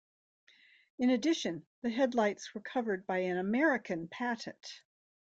In addition, the headlights were covered by an American patent.